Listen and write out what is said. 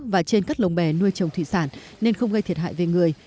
và trên các lồng bè nuôi trồng thủy sản nên không gây thiệt hại về người